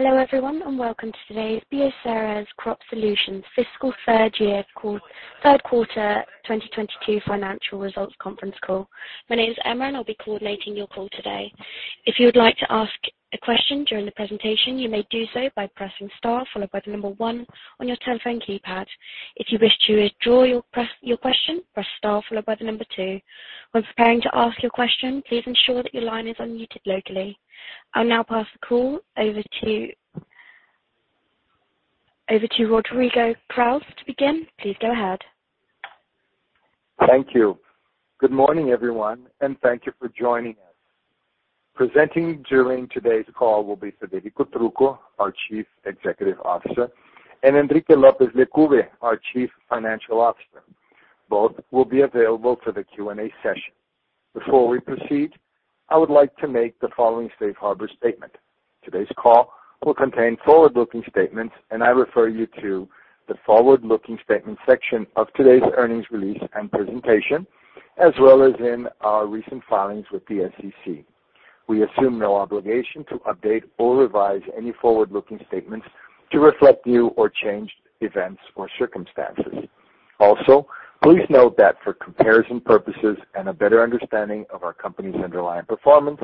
Hello, everyone, and welcome to today's Bioceres Crop Solutions Fiscal Third Quarter 2022 Financial Results Conference Call. My name is Emma, and I'll be coordinating your call today. If you would like to ask a question during the presentation, you may do so by pressing Star followed by the number one on your telephone keypad. If you wish to withdraw your question, press Star followed by the number two. When preparing to ask your question, please ensure that your line is unmuted locally. I'll now pass the call over to Rodrigo Krause to begin. Please go ahead. Thank you. Good morning, everyone, and thank you for joining us. Presenting during today's call will be Federico Trucco, our Chief Executive Officer, and Enrique Lopez Lecube, our Chief Financial Officer. Both will be available for the Q&A session. Before we proceed, I would like to make the following safe harbor statement. Today's call will contain forward-looking statements, and I refer you to the forward-looking statement section of today's earnings release and presentation, as well as in our recent filings with the SEC. We assume no obligation to update or revise any forward-looking statements to reflect new or changed events or circumstances. Also, please note that for comparison purposes and a better understanding of our company's underlying performance,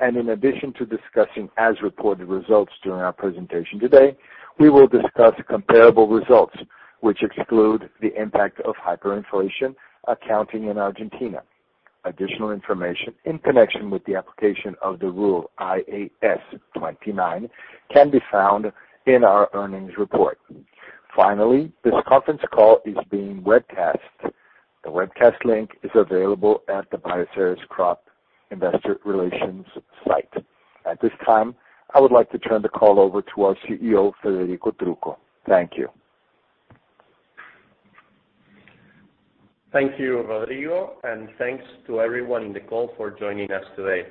and in addition to discussing as-reported results during our presentation today, we will discuss comparable results, which exclude the impact of hyperinflation accounting in Argentina. Additional information in connection with the application of the Rule IAS 29 can be found in our earnings report. Finally, this conference call is being webcast. The webcast link is available at the Bioceres Crop Solutions Investor Relations site. At this time, I would like to turn the call over to our CEO, Federico Trucco. Thank you. Thank you, Rodrigo, and thanks to everyone in the call for joining us today.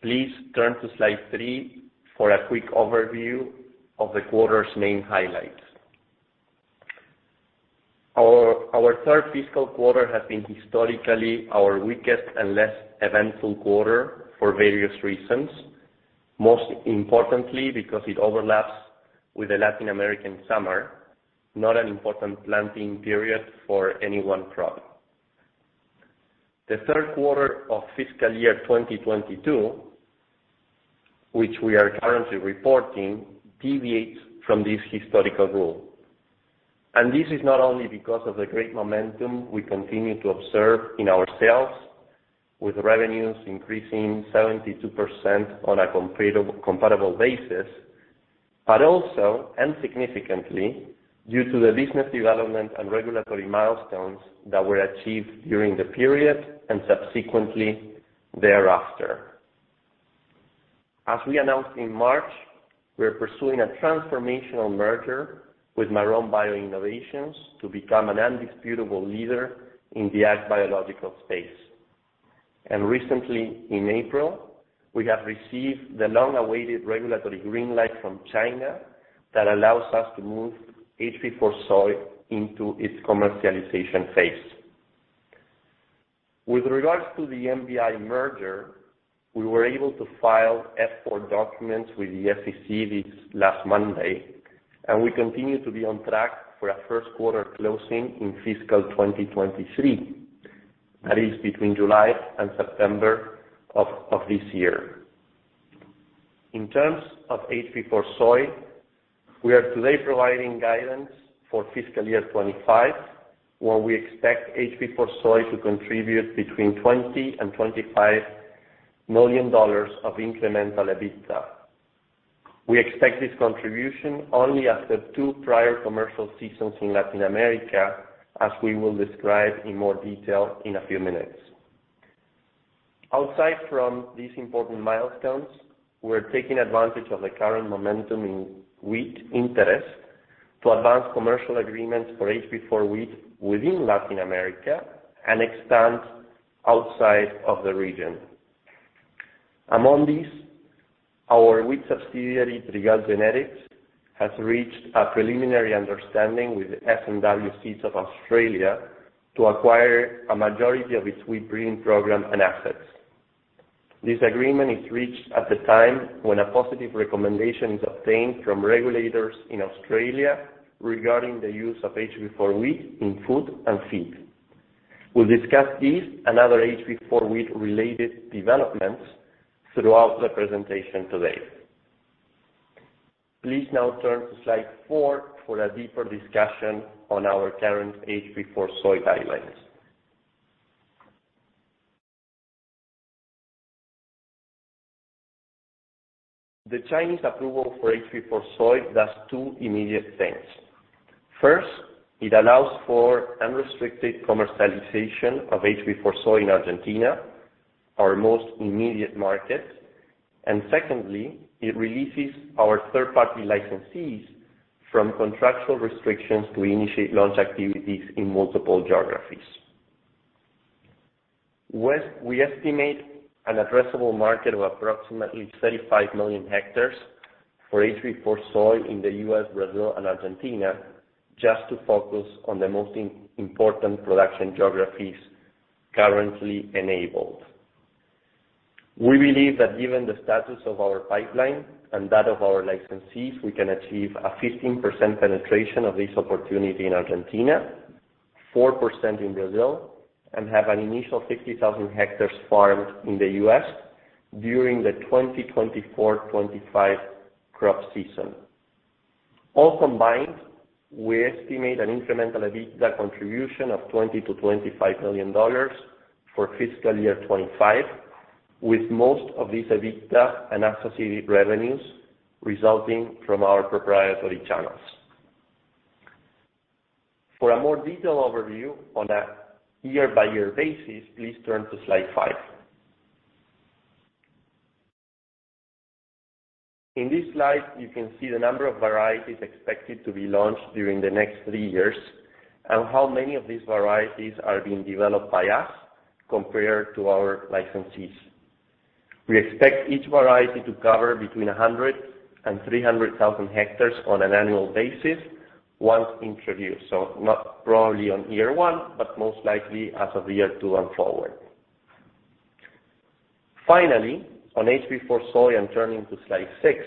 Please turn to slide three for a quick overview of the quarter's main highlights. Our third fiscal quarter has been historically our weakest and less eventful quarter for various reasons. Most importantly, because it overlaps with the Latin American summer—not an important planting period for any one product. The third quarter of fiscal year 2022, which we are currently reporting, deviates from this historical rule. This is not only because of the great momentum we continue to observe in our sales, with revenues increasing 72% on a comparable basis, but also, and significantly, due to the business development and regulatory milestones that were achieved during the period and subsequently thereafter. As we announced in March, we are pursuing a transformational merger with Marrone Bio Innovations to become an undisputable leader in the ag biological space. Recently in April, we have received the long-awaited regulatory green light from China that allows us to move HB4 Soy into its commercialization phase. With regards to the MBI merger, we were able to file F-4 documents with the SEC this last Monday, and we continue to be on track for a first quarter closing in fiscal 2023. That is between July and September of this year. In terms of HB4 Soy, we are today providing guidance for fiscal year 2025, where we expect HB4 Soy to contribute between $20 million-$25 million of incremental EBITDA. We expect this contribution only after two prior commercial seasons in Latin America, as we will describe in more detail in a few minutes. Aside from these important milestones, we're taking advantage of the current momentum in wheat interest to advance commercial agreements for HB4 Wheat within Latin America and expand outside of the region. Among these, our wheat subsidiary, Trigall Genetics, has reached a preliminary understanding with S&W Seed Company of Australia to acquire a majority of its wheat breeding program and assets. This agreement is reached at the time when a positive recommendation is obtained from regulators in Australia regarding the use of HB4 Wheat in food and feed. We'll discuss this and other HB4 Wheat-related developments throughout the presentation today. Please now turn to slide four for a deeper discussion on our current HB4 Soy guidelines. The Chinese approval for HB4 Soy does two immediate things. First, it allows for unrestricted commercialization of HB4 Soy in Argentina, our most immediate market. Secondly, it releases our third-party licensees from contractual restrictions to initiate launch activities in multiple geographies. We estimate an addressable market of approximately 35 million hectares for HB4 Soy in the U.S., Brazil, and Argentina, just to focus on the most important production geographies currently enabled. We believe that, given the status of our pipeline and that of our licensees, we can achieve a 15% penetration of this opportunity in Argentina, 4% in Brazil, and have an initial 60,000 hectares farmed in the U.S. during the 2024/2025 crop season. All combined, we estimate an incremental Avista contribution of $20 million-$25 million for fiscal year 2025, with most of these Avista and associated revenues resulting from our proprietary channels. For a more detailed overview on a year-by-year basis, please turn to slide five. In this slide, you can see the number of varieties expected to be launched during the next 3 years, and how many of these varieties are being developed by us compared to our licensees. We expect each variety to cover between 100 and 300,000 hectares on an annual basis once introduced. Not probably on year one, but most likely as of year two and forward. Finally, on HB4 Soy, I'm turning to slide six.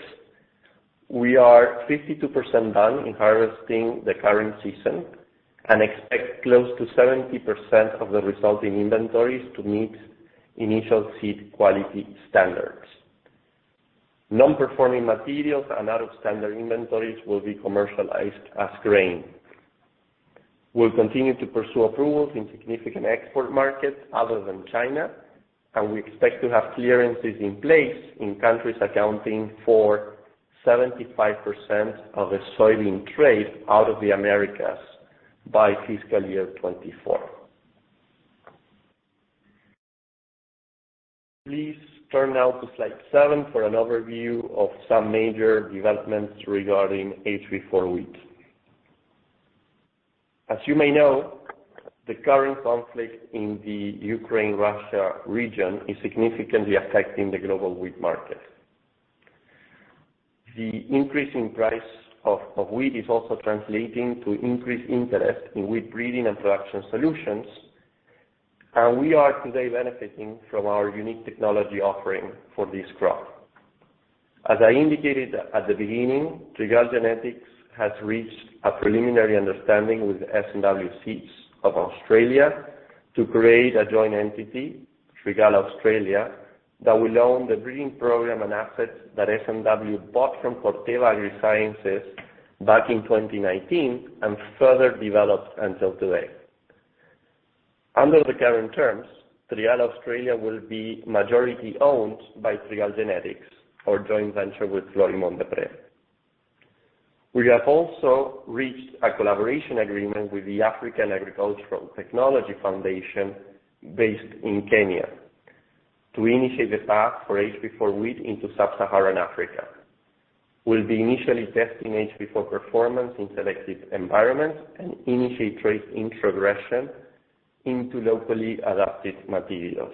We are 52% done in harvesting the current season, and expect close to 70% of the resulting inventories to meet initial seed quality standards. Non-performing materials and out-of-standard inventories will be commercialized as grain. We'll continue to pursue approvals in significant export markets other than China, and we expect to have clearances in place in countries accounting for 75% of the soybean trade out of the Americas by fiscal year 2024. Please turn now to slide seven for an overview of some major developments regarding HB4 Wheat. As you may know, the current conflict in the Ukraine-Russia region is significantly affecting the global wheat market. The increase in price of wheat is also translating to increased interest in wheat breeding and production solutions, and we are today benefiting from our unique technology offering for this crop. As I indicated at the beginning, Trigall Genetics has reached a preliminary understanding with S&W Seed Company of Australia to create a joint entity, Trigall Australia, that will own the breeding program and assets that S&W Seed Company bought from Corteva Agriscience back in 2019 and further developed until today. Under the current terms, Trigall Australia will be majority-owned by Trigall Genetics, our joint venture with Florimond Desprez. We have also reached a collaboration agreement with the African Agricultural Technology Foundation based in Kenya to initiate the path for HB4 Wheat into Sub-Saharan Africa. We'll be initially testing HB4 performance in selective environments and initiate trait introgression into locally adapted materials.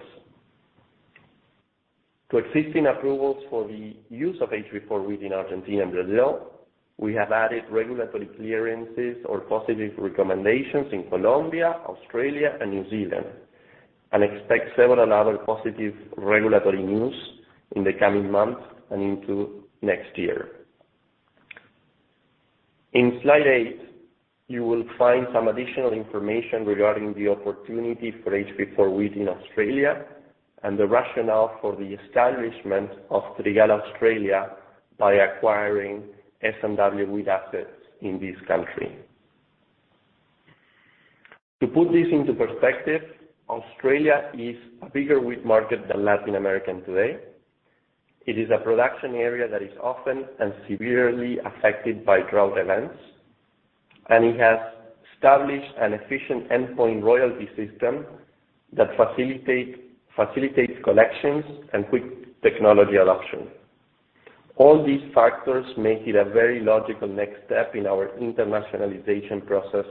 To existing approvals for the use of HB4 Wheat in Argentina and Brazil, we have added regulatory clearances or positive recommendations in Colombia, Australia, and New Zealand; and expect several other positive regulatory news in the coming months and into next year. In slide eight, you will find some additional information regarding the opportunity for HB4 Wheat in Australia and the rationale for the establishment of Trigall Australia by acquiring S&W Wheat assets in this country. To put this into perspective, Australia is a bigger wheat market than Latin America today. It is a production area that is often and severely affected by drought events, and it has established an efficient endpoint royalty system that facilitates collections and quick technology adoption. All these factors make it a very logical next step in our internationalization process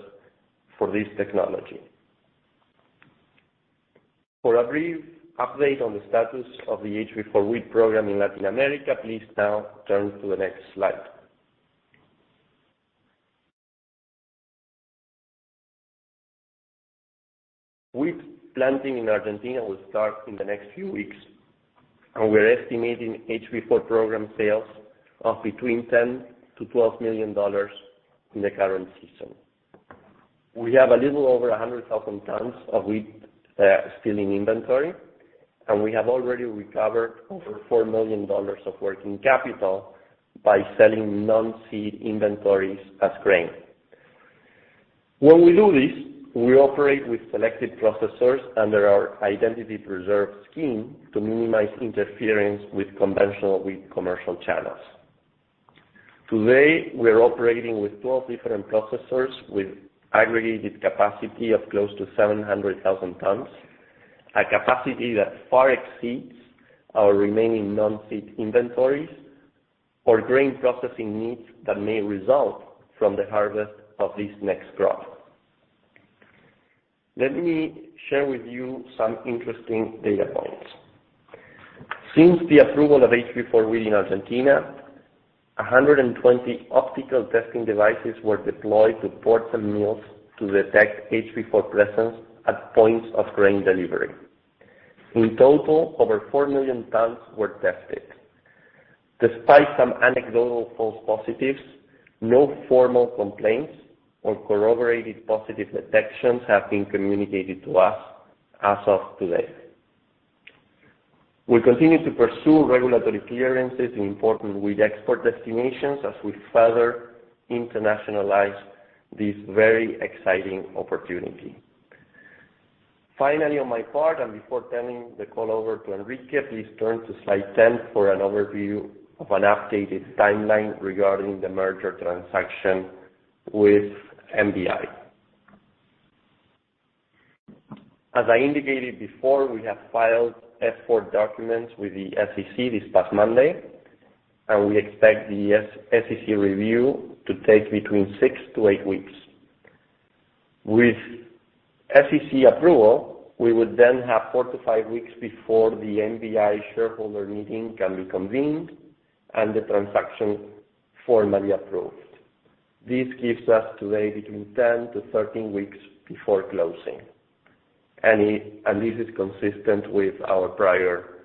for this technology. For a brief update on the status of the HB4 Wheat program in Latin America, please now turn to the next slide. Wheat planting in Argentina will start in the next few weeks, and we're estimating HB4 program sales of between $10 million-$12 million in the current season. We have a little over 100,000 tons of wheat still in inventory, and we have already recovered over $4 million of working capital by selling non-seed inventories as grain. When we do this, we operate with selected processors under our identity preserved scheme to minimize interference with conventional wheat commercial channels. Today, we're operating with 12 different processors with aggregated capacity of close to 0.7 million tons. A capacity that far exceeds our remaining non-seed inventories or grain processing needs that may result from the harvest of this next crop. Let me share with you some interesting data points. Since the approval of HB4 wheat in Argentina, 120 optical testing devices were deployed to ports and mills to detect HB4 presence at points of grain delivery. In total, over 4 million tons were tested. Despite some anecdotal false positives, no formal complaints or corroborated positive detections have been communicated to us as of today. We continue to pursue regulatory clearances in important wheat export destinations as we further internationalize this very exciting opportunity. Finally, on my part, and before turning the call over to Enrique, please turn to slide 10 for an overview of an updated timeline regarding the merger transaction with MBI. As I indicated before, we have filed F-4 documents with the SEC this past Monday, and we expect the SEC review to take between 6 weeks-8 weeks. With SEC approval, we would then have 4 weeks-5 weeks before the MBI shareholder meeting can be convened and the transaction formally approved. This gives us today between 10 weeks-13 weeks before closing. This is consistent with our prior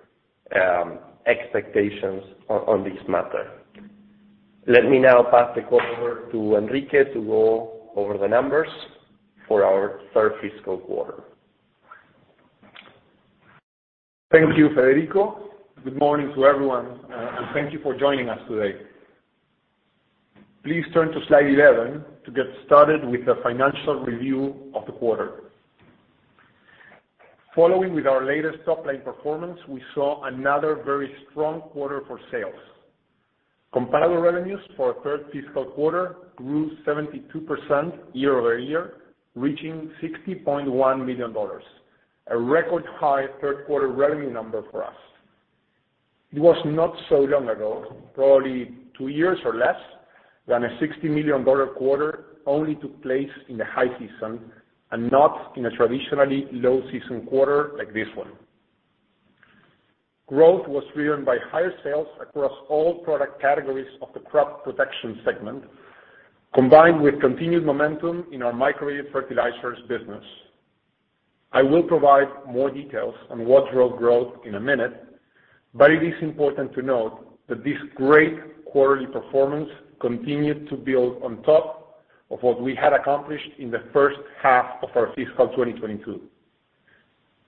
expectations on this matter. Let me now pass the call over to Enrique to go over the numbers for our third fiscal quarter. Thank you, Federico. Good morning to everyone, and thank you for joining us today. Please turn to slide 11 to get started with the financial review of the quarter. Following with our latest top line performance, we saw another very strong quarter for sales. Comparable revenues for our third fiscal quarter grew 72% year-over-year, reaching $60.1 million, a record high third quarter revenue number for us. It was not so long ago—probably two years or less—than a $60 million quarter only took place in the high season and not in a traditionally low-season quarter like this one. Growth was driven by higher sales across all product categories of the crop protection segment, combined with continued momentum in our micro-beaded fertilizers business. I will provide more details on what drove growth in a minute, but it is important to note that this great quarterly performance continued to build on top of what we had accomplished in the first half of our fiscal 2022.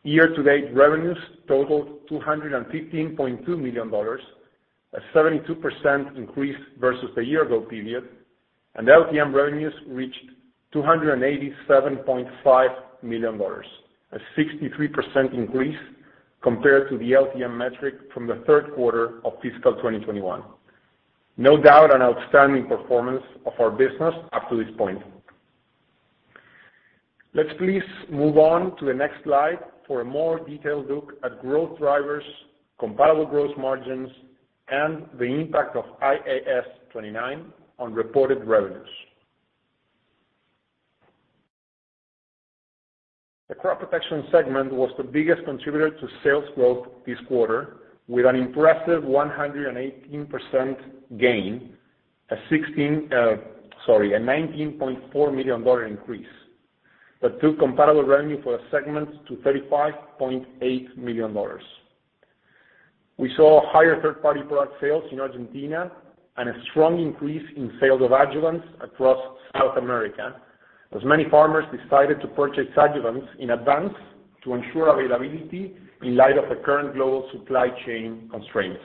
Year-to-date revenues totaled $215.2 million, a 72% increase versus the year ago period. LTM revenues reached $287.5 million, a 63% increase compared to the LTM metric from the third quarter of fiscal 2021. No doubt, an outstanding performance of our business up to this point. Let's please move on to the next slide for a more detailed look at growth drivers, comparable gross margins, and the impact of IAS 29 on reported revenues. The crop protection segment was the biggest contributor to sales growth this quarter, with an impressive 118% gain, a $19.4 million increase that took comparable revenue for the segment to $35.8 million. We saw higher third-party product sales in Argentina and a strong increase in sales of adjuvants across South America, as many farmers decided to purchase adjuvants in advance to ensure availability in light of the current global supply chain constraints.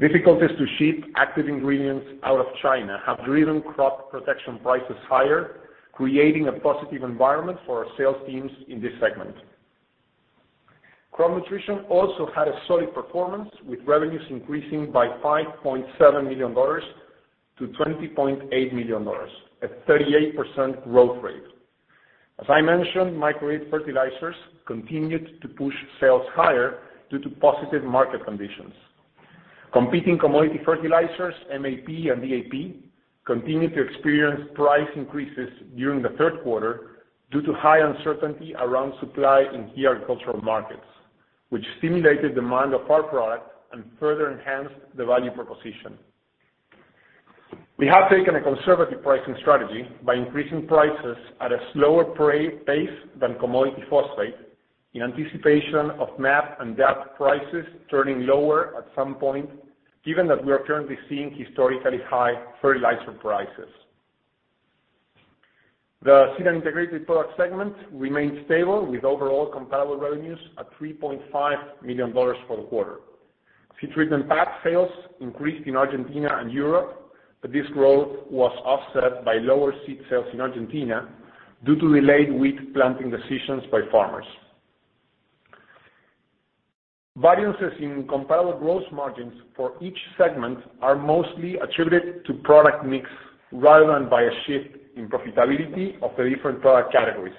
Difficulties to ship active ingredients out of China have driven crop protection prices higher, creating a positive environment for our sales teams in this segment. Crop nutrition also had a solid performance, with revenues increasing by $5.7 million dollars to $20.8 million dollars, a 38% growth rate. As I mentioned, micro-beaded fertilizers continued to push sales higher due to positive market conditions. Competing commodity fertilizers, MAP and DAP, continued to experience price increases during the third quarter due to high uncertainty around supply in key agricultural markets, which stimulated demand of our product and further enhanced the value proposition. We have taken a conservative pricing strategy by increasing prices at a slower pace than commodity phosphate in anticipation of MAP and DAP prices turning lower at some point, given that we are currently seeing historically high fertilizer prices. The seed and integrated products segment remained stable, with overall comparable revenues at $3.5 million for the quarter. Seed treatment pack sales increased in Argentina and Europe, but this growth was offset by lower seed sales in Argentina due to delayed wheat planting decisions by farmers. Variances in comparable gross margins for each segment are mostly attributed to product mix rather than by a shift in profitability of the different product categories,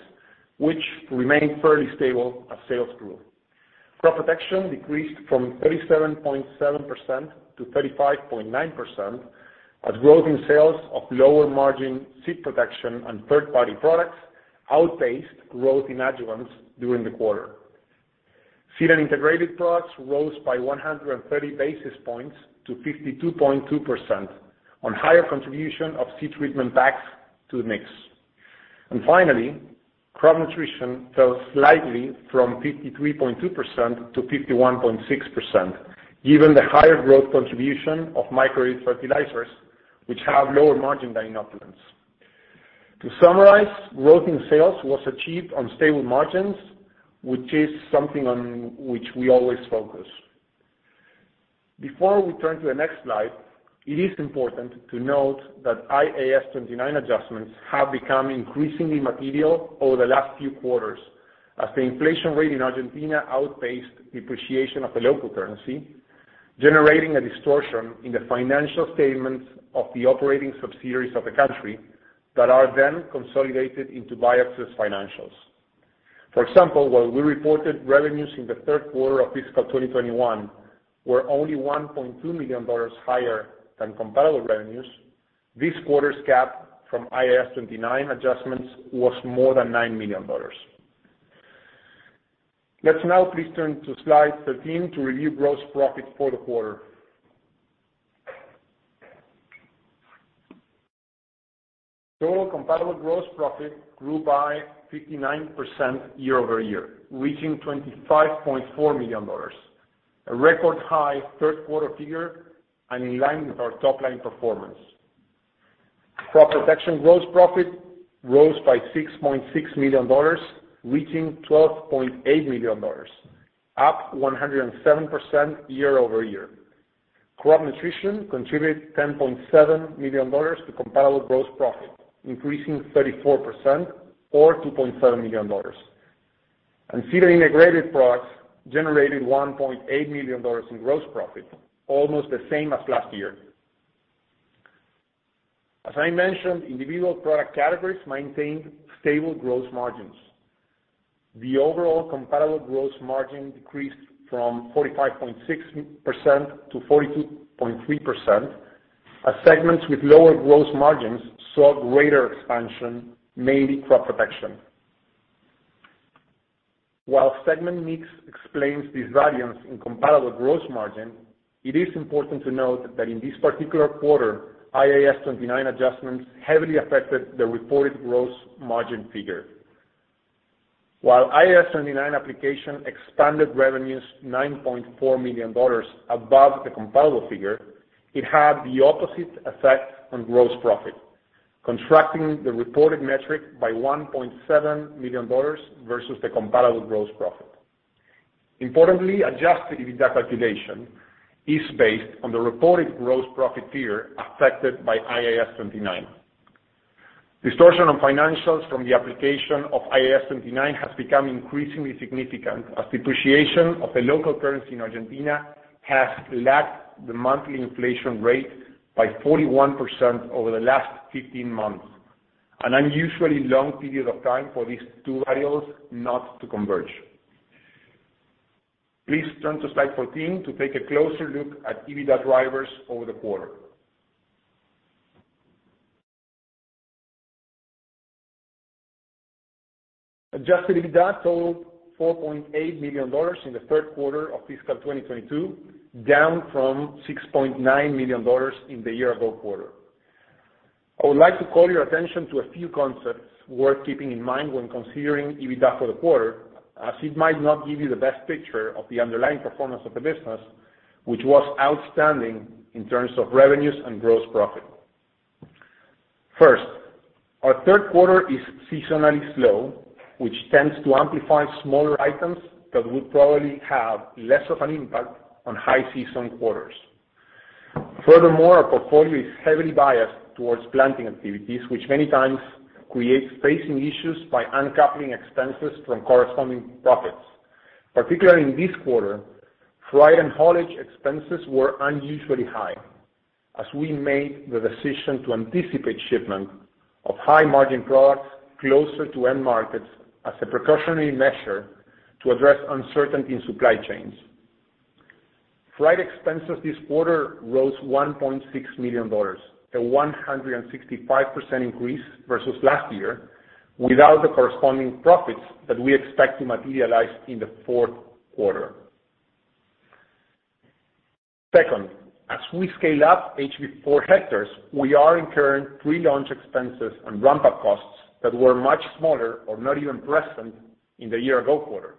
which remain fairly stable as sales grow. Crop protection decreased from 37.7% to 35.9% as growth in sales of lower margin seed protection and third party products outpaced growth in adjuvants during the quarter. Seed and integrated products rose by 130 basis points to 52.2% on higher contribution of seed treatment packs to the mix. Finally, crop nutrition fell slightly from 53.2% to 51.6%, given the higher growth contribution of micro-beaded fertilizers, which have lower margin than inoculants. To summarize, growth in sales was achieved on stable margins, which is something on which we always focus. Before we turn to the next slide, it is important to note that IAS 29 adjustments have become increasingly material over the last few quarters as the inflation rate in Argentina outpaced depreciation of the local currency, generating a distortion in the financial statements of the operating subsidiaries of the country that are then consolidated into Bioceres financials. For example, while we reported revenues in the third quarter of fiscal 2021 were only $1.2 million higher than comparable revenues, this quarter's gap from IAS 29 adjustments was more than $9 million. Let's now please turn to slide 13 to review gross profit for the quarter. Total comparable gross profit grew by 59% year-over-year, reaching $25.4 million, a record high third quarter figure and in line with our top line performance. Crop protection gross profit rose by $6.6 million, reaching $12.8 million, up 107% year-over-year. Crop nutrition contributed $10.7 million to comparable gross profit, increasing 34% or $2.7 million. Seed and integrated products generated $1.8 million in gross profit, almost the same as last year. As I mentioned, individual product categories maintained stable gross margins. The overall comparable gross margin decreased from 45.6% to 42.3% as segments with lower gross margins saw greater expansion, mainly crop protection. While segment mix explains this variance in comparable gross margin, it is important to note that in this particular quarter, IAS 29 adjustments heavily affected the reported gross margin figure. While IAS 29 application expanded revenues $9.4 million above the comparable figure, it had the opposite effect on gross profit, contracting the reported metric by $1.7 million versus the comparable gross profit. Importantly, adjusted EBITDA calculation is based on the reported gross profit figure affected by IAS 29. Distortion of financials from the application of IAS 29 has become increasingly significant as depreciation of the local currency in Argentina has lagged the monthly inflation rate by 41% over the last 15 months, an unusually long period of time for these two variables not to converge. Please turn to slide 14 to take a closer look at EBITDA drivers over the quarter. Adjusted EBITDA totaled $4.8 million in the third quarter of fiscal 2022, down from $6.9 million in the year ago quarter. I would like to call your attention to a few concepts worth keeping in mind when considering EBITDA for the quarter, as it might not give you the best picture of the underlying performance of the business, which was outstanding in terms of revenues and gross profit. First, our third quarter is seasonally slow, which tends to amplify smaller items that would probably have less of an impact on high season quarters. Furthermore, our portfolio is heavily biased towards planting activities, which many times creates spacing issues by uncoupling expenses from corresponding profits. Particularly in this quarter, freight and haulage expenses were unusually high as we made the decision to anticipate shipment of high-margin products closer to end markets as a precautionary measure to address uncertainty in supply chains. Freight expenses this quarter rose $1.6 million, a 165% increase versus last year, without the corresponding profits that we expect to materialize in the fourth quarter. Second, as we scale up HB4 hectares, we are incurring pre-launch expenses and ramp-up costs that were much smaller or not even present in the year ago quarter.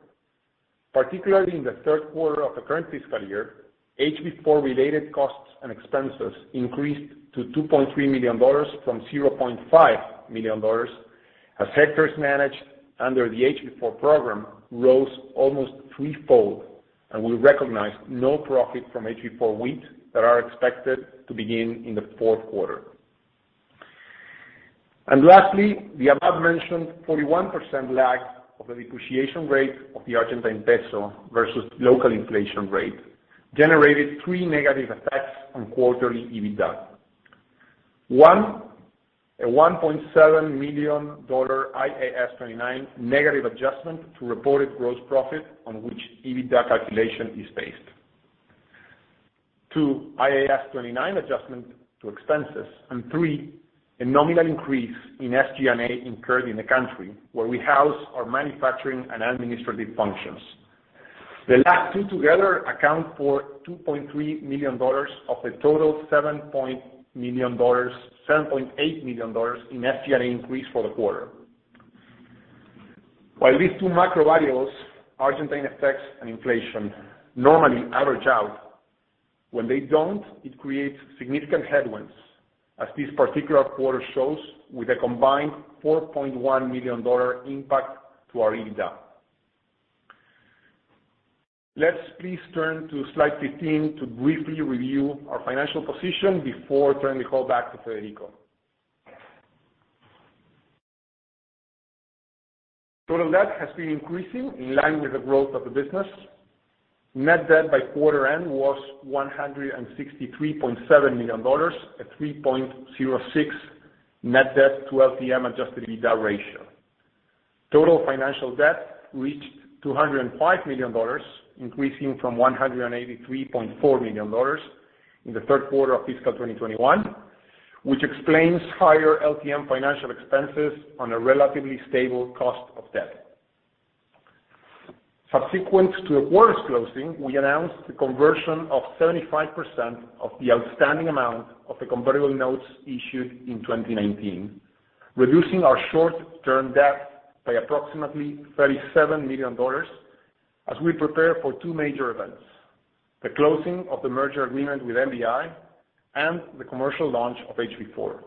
Particularly in the third quarter of the current fiscal year, HB4-related costs and expenses increased to $2.3 million from $0.5 million as hectares managed under the HB4 program rose almost threefold, and we recognized no profit from HB4 wheat that are expected to begin in the fourth quarter. Lastly, the above mentioned 41% lag of the depreciation rate of the Argentine peso versus local inflation rate generated three negative effects on quarterly EBITDA. One, a $1.7 million IAS 29 negative adjustment to reported gross profit on which EBITDA calculation is based. Two, IAS 29 adjustment to expenses. Three, a nominal increase in SG&A incurred in the country where we house our manufacturing and administrative functions. The last two together account for $2.3 million of the total $7.8 million in SG&A increase for the quarter. While these two macro variables, Argentina effects and inflation, normally average out, when they don't, it creates significant headwinds, as this particular quarter shows, with a combined $4.1 million impact to our EBITDA. Let's please turn to slide 15 to briefly review our financial position before turning the call back to Federico. Total debt has been increasing in line with the growth of the business. Net debt by quarter end was $163.7 million, a 3.06 net debt to LTM adjusted EBITDA ratio. Total financial debt reached $205 million, increasing from $183.4 million in the third quarter of fiscal 2021, which explains higher LTM financial expenses on a relatively stable cost of debt. Subsequent to the quarter's closing, we announced the conversion of 75% of the outstanding amount of the convertible notes issued in 2019, reducing our short-term debt by approximately $37 million as we prepare for two major events: the closing of the merger agreement with MBI and the commercial launch of HB4.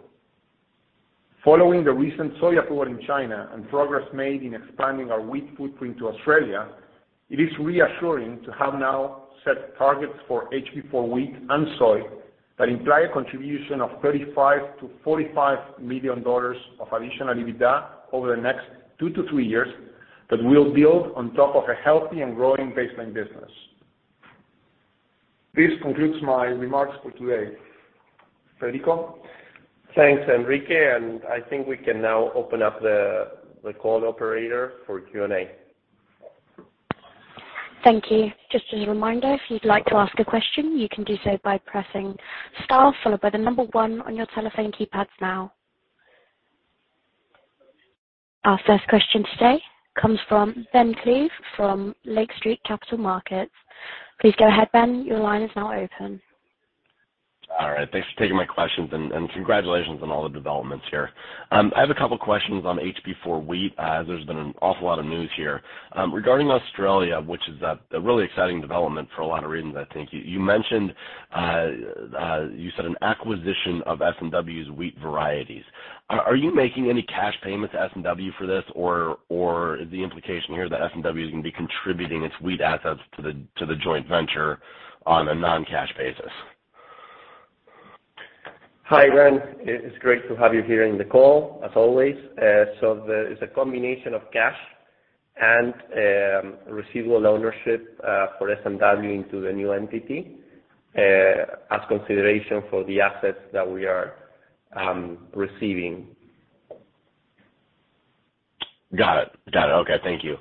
Following the recent soy approval in China and progress made in expanding our wheat footprint to Australia, it is reassuring to have now set targets for HB4 Wheat and Soy that imply a contribution of $35 million-$45 million of additional EBITDA over the next 2 years-3 years that will build on top of a healthy and growing baseline business. This concludes my remarks for today. Federico? Thanks, Enrique, and I think we can now open up the call operator for Q&A. Thank you. Just as a reminder, if you'd like to ask a question, you can do so by pressing star followed by the number one on your telephone keypads now. Our first question today comes from Ben Klieve from Lake Street Capital Markets. Please go ahead, Ben. Your line is now open. All right. Thanks for taking my questions, and congratulations on all the developments here. I have a couple questions on HB4 wheat. There's been an awful lot of news here. Regarding Australia, which is a really exciting development for a lot of reasons, I think. You mentioned you said an acquisition of S&W's wheat varieties. Are you making any cash payments to S&W for this? Or is the implication here that S&W is gonna be contributing its wheat assets to the joint venture on a non-cash basis? Hi, Ben. It's great to have you here in the call, as always. It's a combination of cash and residual ownership for S&W into the new entity as consideration for the assets that we are receiving. Got it. Okay, thank you.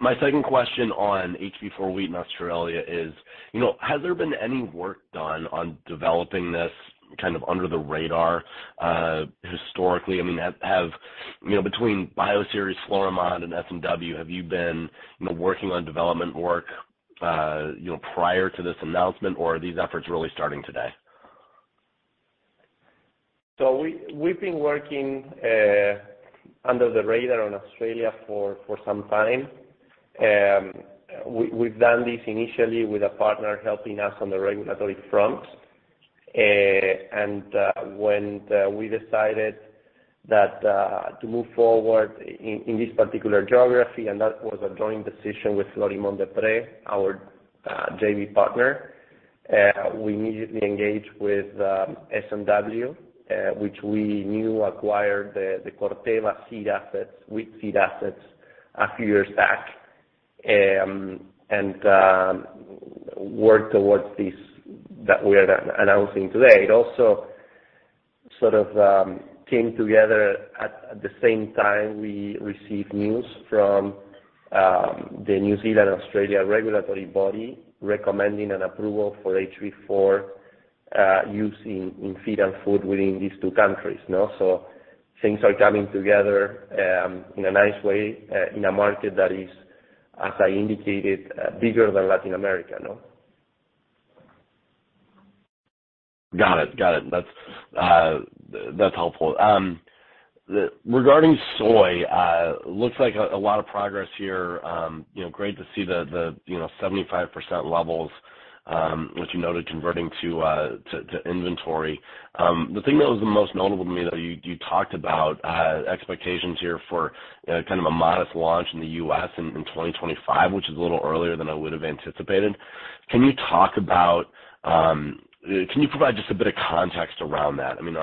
My second question on HB4 wheat in Australia is, you know, has there been any work done on developing this kind of under the radar, historically? I mean, you know, between Bioceres, Florimond, and S&W, have you been, you know, working on development work, you know, prior to this announcement, or are these efforts really starting today? We've been working under the radar on Australia for some time. We've done this initially with a partner helping us on the regulatory front. When we decided to move forward in this particular geography, and that was a joint decision with Florimond Desprez, our JV partner, we immediately engaged with S&W, which we knew acquired the Corteva seed assets, wheat seed assets a few years back, and worked towards this that we are announcing today. It also sort of came together at the same time we received news from the New Zealand/Australia regulatory body recommending an approval for HB4 use in feed and food within these two countries, you know? Things are coming together in a nice way in a market that is, as I indicated, bigger than Latin America, you know? Got it. That's helpful. Regarding soy, looks like a lot of progress here. You know, great to see the 75% levels, which you noted converting to inventory. The thing that was the most notable to me, though, you talked about expectations here for kind of a modest launch in the U.S. in 2025, which is a little earlier than I would have anticipated. Can you provide just a bit of context around that? I mean,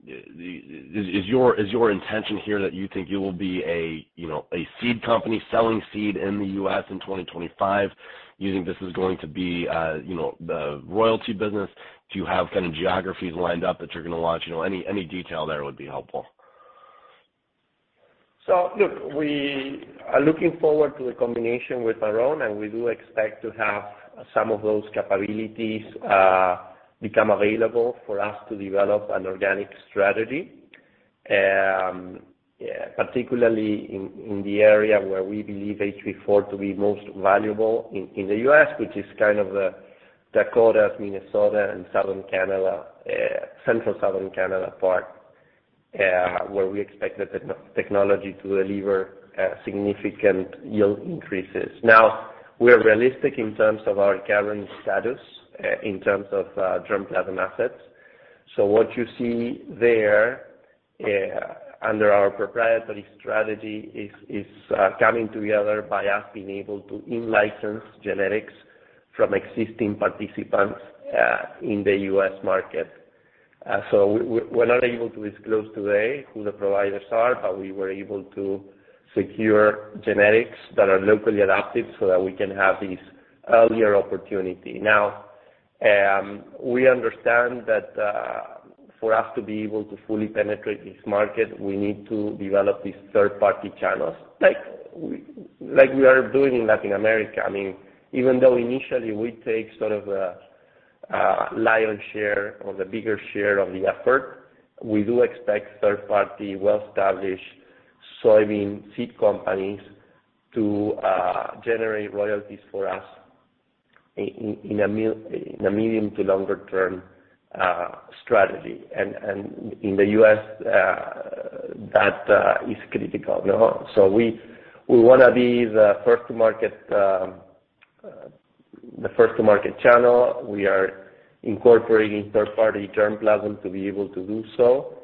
is your intention here that you think you will be a, you know, a seed company selling seed in the U.S. in 2025? Do you think this is going to be, you know, the royalty business? Do you have kind of geographies lined up that you're gonna launch? You know, any detail there would be helpful. Look, we are looking forward to the combination with Marrone, and we do expect to have some of those capabilities become available for us to develop an organic strategy. Particularly in the area where we believe HB4 to be most valuable in the U.S., which is kind of the Dakotas, Minnesota, and southern Canada, central southern Canada part, where we expect the technology to deliver significant yield increases. We are realistic in terms of our current status in terms of germplasm assets. What you see there under our proprietary strategy is coming together by us being able to in-license genetics from existing participants in the U.S. market. We're not able to disclose today who the providers are, but we were able to secure genetics that are locally adapted so that we can have these earlier opportunity. Now, we understand that, for us to be able to fully penetrate this market, we need to develop these third-party channels like we are doing in Latin America. I mean, even though initially we take sort of a lion's share or the bigger share of the effort, we do expect third-party, well-established soybean seed companies to generate royalties for us in a medium- to longer-term strategy. In the U.S., that is critical, no? We wanna be the first-to-market channel. We are incorporating third-party germplasm to be able to do so.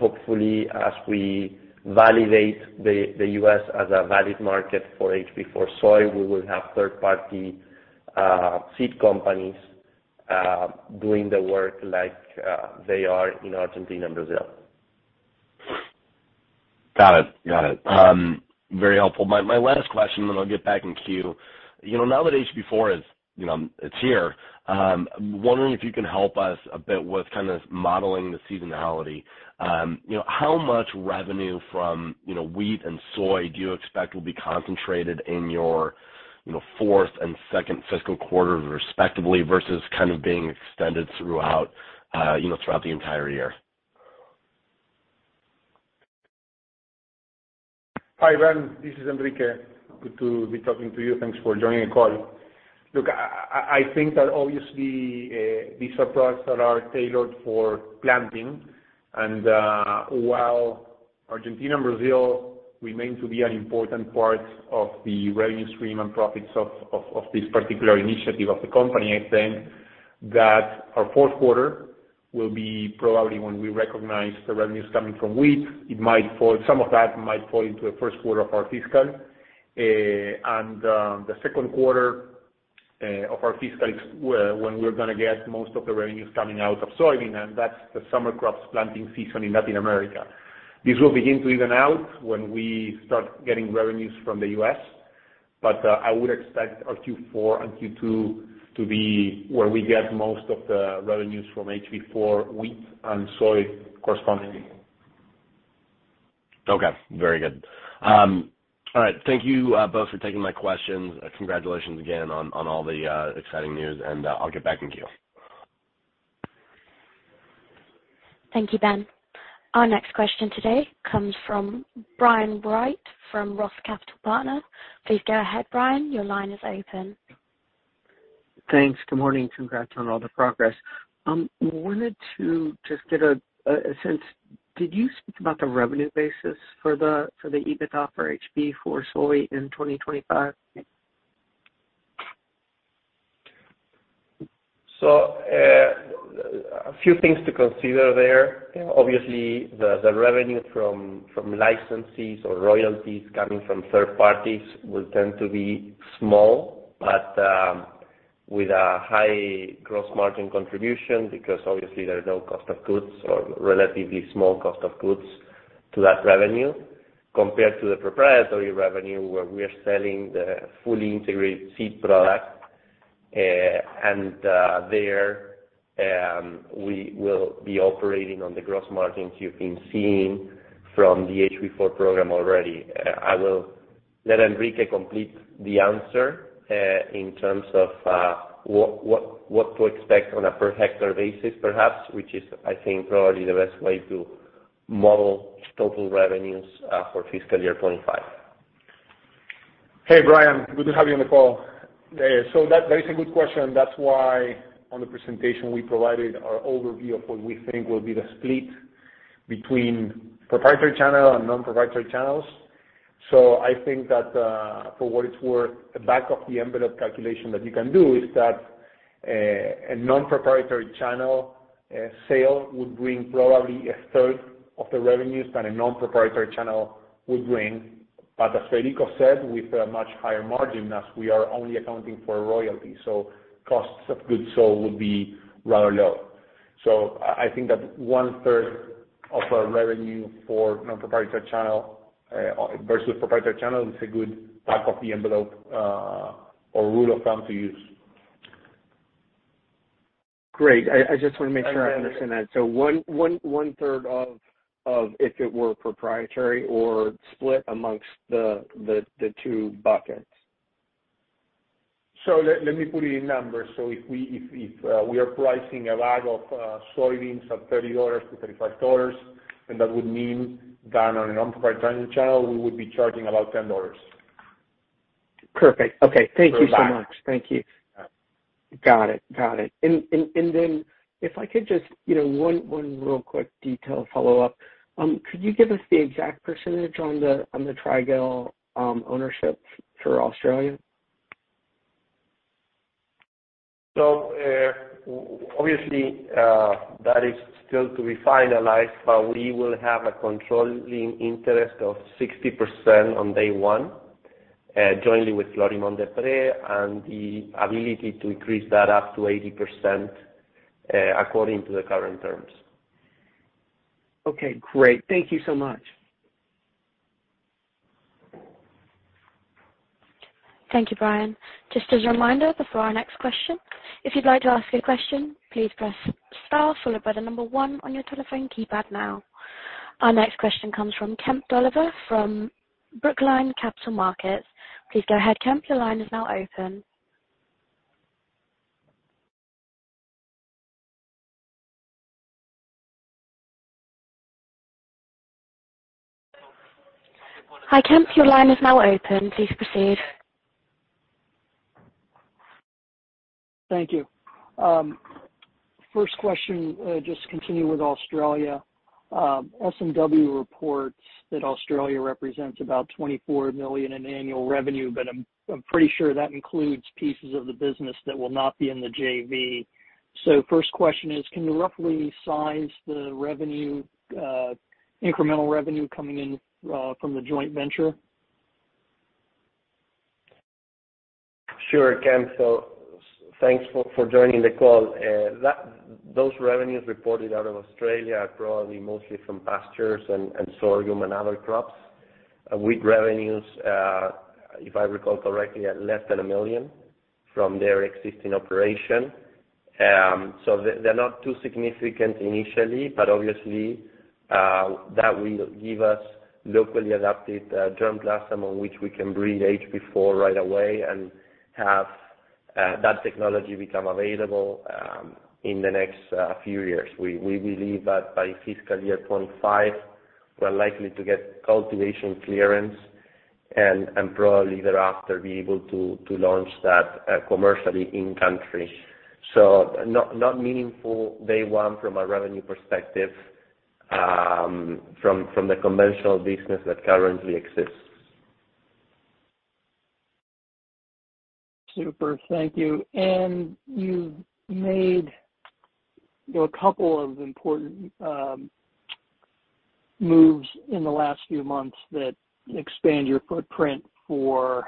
Hopefully, as we validate the U.S. as a valid market for HB4 Soy, we will have third-party seed companies doing the work like they are in Argentina and Brazil. Got it. Very helpful. My last question then I'll get back in queue. You know, now that HB4 is, you know, it's here, I'm wondering if you can help us a bit with kind of modeling the seasonality. You know, how much revenue from, you know, wheat and soy do you expect will be concentrated in your, you know, fourth and second fiscal quarters respectively versus kind of being extended throughout, you know, throughout the entire year? Hi, Ben. This is Enrique. Good to be talking to you. Thanks for joining the call. Look, I think that obviously these are products that are tailored for planting. While Argentina and Brazil remain to be an important part of the revenue stream and profits of this particular initiative of the company, I think that our fourth quarter will be probably when we recognize the revenues coming from wheat. Some of that might fall into the first quarter of our fiscal. The second quarter of our fiscal when we're gonna get most of the revenues coming out of soybean, and that's the summer crops planting season in Latin America. This will begin to even out when we start getting revenues from the U.S. I would expect our Q4 and Q2 to be where we get most of the revenues from HB4 Wheat and Soy corresponding. Okay. Very good. All right. Thank you both for taking my questions. Congratulations again on all the exciting news, and I'll get back in queue. Thank you, Ben. Our next question today comes from Brian Wright from ROTH Capital Partners. Please go ahead, Brian. Your line is open. Thanks. Good morning. Congrats on all the progress. Wanted to just get a sense. Did you speak about the revenue basis for the EBITDA for HB4 Soy in 2025? A few things to consider there. Obviously, the revenue from licensees or royalties coming from third parties will tend to be small, but with a high gross margin contribution because obviously there are no cost of goods or relatively small cost of goods to that revenue compared to the proprietary revenue where we are selling the fully integrated seed product. We will be operating on the gross margins you've been seeing from the HB4 program already. I will let Enrique complete the answer in terms of what to expect on a per hectare basis, perhaps, which is, I think, probably the best way to model total revenues for fiscal year 2025. Hey, Brian. Good to have you on the call. That is a good question. That's why on the presentation we provided our overview of what we think will be the split between proprietary channel and non-proprietary channels. I think that, for what it's worth, the back of the envelope calculation that you can do is that, a non-proprietary channel sale would bring probably a third of the revenues that a proprietary channel would bring. As Federico said, with a much higher margin as we are only accounting for royalty. Costs of goods sold would be rather low. I think that one-third of our revenue for non-proprietary channel versus proprietary channel is a good back of the envelope or rule of thumb to use. Great. I just want to make sure I understand that. One-third of if it were proprietary or split among the two buckets. Let me put it in numbers. If we are pricing a bag of soybeans at $30-$35, that would mean that on a non-proprietary channel, we would be charging about $10. Perfect. Okay. Thank you so much. Per bag. Thank you. Got it. If I could just, you know, one real quick detail follow-up. Could you give us the exact percentage on the, on the Trigall, ownership for Australia? Obviously, that is still to be finalized, but we will have a controlling interest of 60% on day one, jointly with Florimond Desprez, and the ability to increase that up to 80%, according to the current terms. Okay, great. Thank you so much. Thank you, Brian. Just as a reminder before our next question, if you'd like to ask a question, please press star followed by the number one on your telephone keypad now. Our next question comes from Kemp Dolliver from Brookline Capital Markets. Please go ahead, Kemp. Your line is now open. Hi, Kemp. Your line is now open. Please proceed. Thank you. First question, just to continue with Australia. S&W reports that Australia represents about $24 million in annual revenue, but I'm pretty sure that includes pieces of the business that will not be in the JV. First question is, can you roughly size the revenue, incremental revenue coming in, from the joint venture? Sure, Kemp. Thanks for joining the call. Those revenues reported out of Australia are probably mostly from pastures and sorghum and other crops. Wheat revenues, if I recall correctly, are less than $1 million from their existing operation. They're not too significant initially, but obviously, that will give us locally adapted germplasm on which we can breed HB4 right away and have that technology become available in the next few years. We believe that by fiscal year 2025, we're likely to get cultivation clearance and probably thereafter be able to launch that commercially in country. Not meaningful day one from a revenue perspective, from the conventional business that currently exists. Super. Thank you. You made a couple of important moves in the last few months that expand your footprint for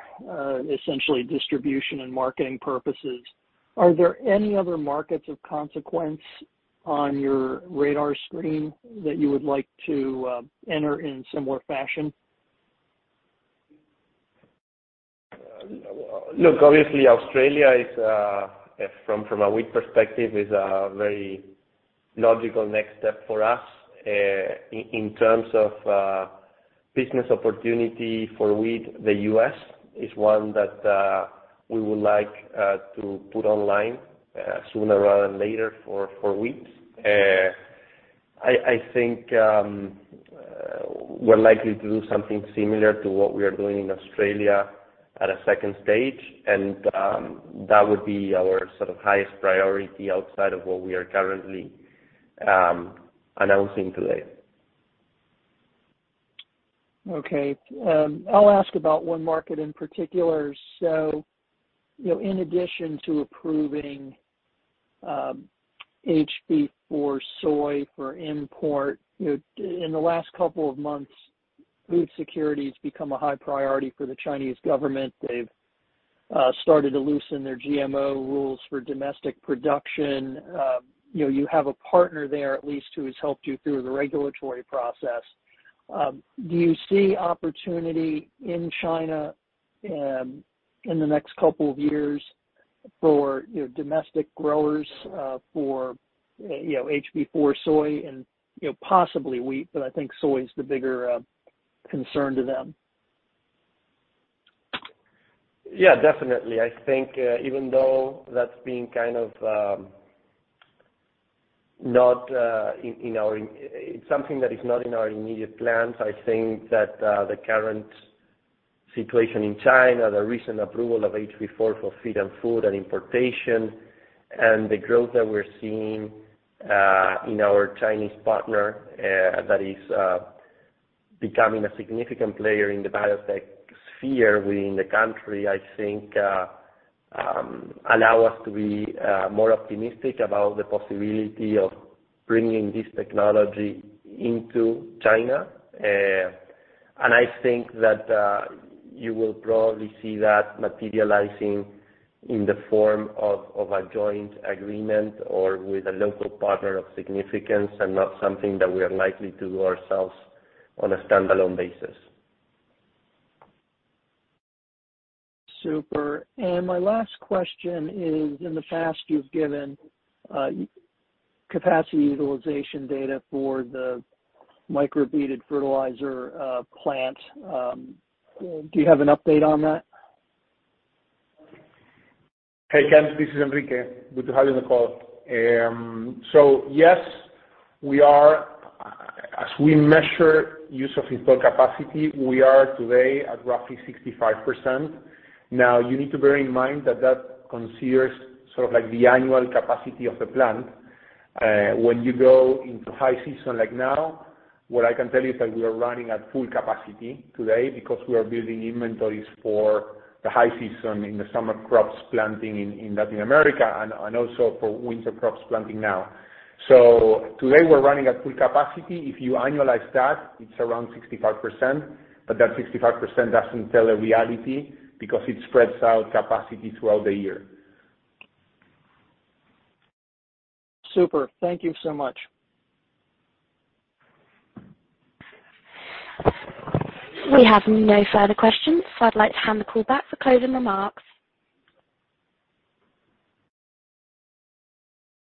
essentially distribution and marketing purposes. Are there any other markets of consequence on your radar screen that you would like to enter in similar fashion? Look, obviously Australia is, from a wheat perspective, a very logical next step for us. In terms of business opportunity for wheat, the U.S. is one that we would like to put online sooner rather than later for wheat. I think we're likely to do something similar to what we are doing in Australia at a second stage. That would be our sort of highest priority outside of what we are currently announcing today. Okay. I'll ask about one market in particular. You know, in addition to approving HB4 Soy for import, you know, in the last couple of months, food security has become a high priority for the Chinese government. They've started to loosen their GMO rules for domestic production. You know, you have a partner there, at least, who has helped you through the regulatory process. Do you see opportunity in China, in the next couple of years for, you know, domestic growers, for, you know, HB4 Soy and, you know, possibly wheat, but I think soy is the bigger concern to them? Yeah, definitely. I think it's something that is not in our immediate plans. I think that the current situation in China, the recent approval of HB4 for feed and food and importation and the growth that we're seeing in our Chinese partner that is becoming a significant player in the biotech sphere within the country allow us to be more optimistic about the possibility of bringing this technology into China. I think that you will probably see that materializing in the form of a joint agreement or with a local partner of significance and not something that we are likely to do ourselves on a standalone basis. Super. My last question is, in the past you've given capacity utilization data for the micro-beaded fertilizer plant. Do you have an update on that? Hey, Kemp, this is Enrique. Good to have you on the call. Yes, we are. As we measure use of installed capacity, we are today at roughly 65%. Now, you need to bear in mind that that considers sort of like the annual capacity of the plant. When you go into high season, like now, what I can tell you is that we are running at full capacity today because we are building inventories for the high season in the summer crops planting in Latin America and also for winter crops planting now. Today we're running at full capacity. If you annualize that, it's around 65%, but that 65% doesn't tell the reality because it spreads out capacity throughout the year. Super. Thank you so much. We have no further questions. I'd like to hand the call back for closing remarks.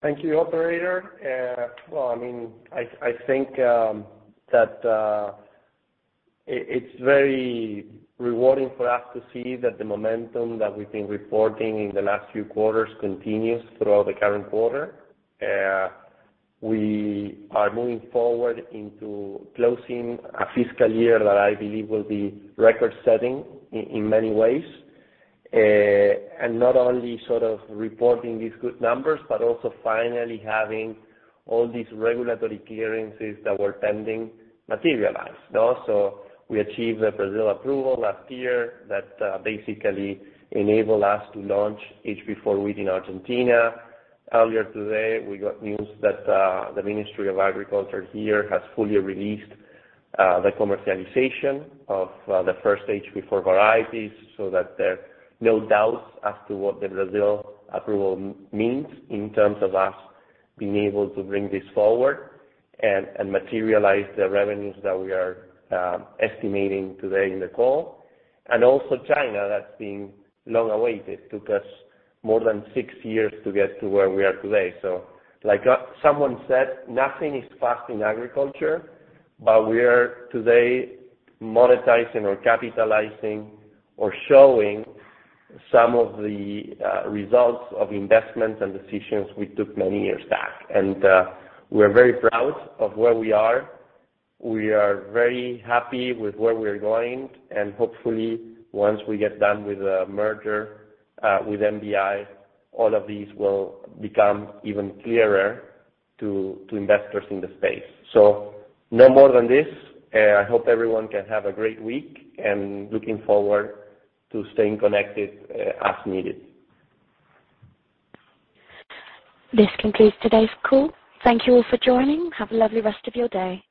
Thank you, operator. Well, I mean, I think that it's very rewarding for us to see that the momentum that we've been reporting in the last few quarters continues throughout the current quarter. We are moving forward into closing a fiscal year that I believe will be record-setting in many ways. Not only sort of reporting these good numbers, but also finally having all these regulatory clearances that were pending materialized. Also, we achieved the Brazil approval last year that basically enables us to launch HB4 Wheat in Argentina. Earlier today, we got news that the Ministry of Agriculture here has fully released the commercialization of the first HB4 varieties so that there are no doubts as to what the Brazil approval means in terms of us being able to bring this forward and materialize the revenues that we are estimating today in the call. Also, China, that's been long awaited. It took us more than six years to get to where we are today. Like, someone said, nothing is fast in agriculture, but we are today monetizing or capitalizing or showing some of the results of investments and decisions we took many years back. We're very proud of where we are. We are very happy with where we're going. Hopefully once we get done with the merger with MBI, all of these will become even clearer to investors in the space. No more than this. I hope everyone can have a great week and looking forward to staying connected, as needed. This concludes today's call. Thank you all for joining. Have a lovely rest of your day.